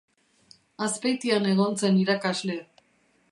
Azpeitian egon zen irakasle.